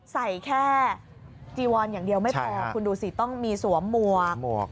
ใส่แค่จีวอนอย่างเดียวไม่พอคุณดูสิต้องมีสวมหมวก